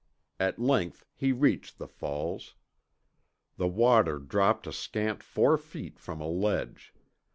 At length he reached the falls. The water dropped a scant four feet from a ledge.